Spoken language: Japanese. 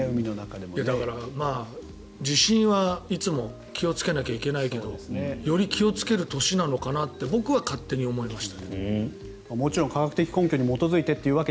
だから、地震はいつも気をつけなきゃいけないけどより気をつける年なのかなって僕は勝手に思いました。